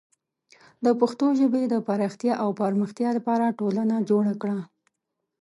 د پښتو ژبې د پراختیا او پرمختیا لپاره ټولنه جوړه کړه.